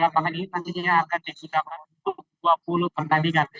lapangan ini nantinya akan digunakan untuk dua puluh pertandingan